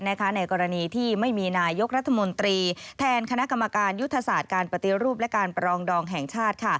ในกรณีที่ไม่มีนายกรัฐมนตรีแทนคณะกรรมการยุทธศาสตร์การปฏิรูปและการปรองดองแห่งชาติ